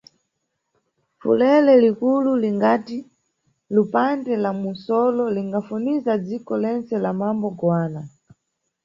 Pfulele likulu ningati lupande la mu msolo lingafuniza dziko lentse la mambo Goana.